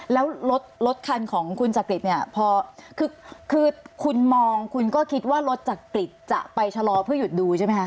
แล้วรถรถคันของคุณจักริตเนี่ยพอคือคุณมองคุณก็คิดว่ารถจักริตจะไปชะลอเพื่อหยุดดูใช่ไหมคะ